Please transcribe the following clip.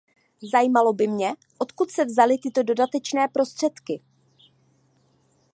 Zajímalo by mě, odkud se vzaly tyto dodatečné prostředky.